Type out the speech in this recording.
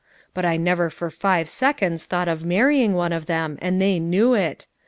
but I never for five seconds thought of marrying one of them, and they knew it.